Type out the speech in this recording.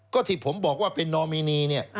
ก็ที่ผมบอกว่าเป็นนอมินีเนี่ย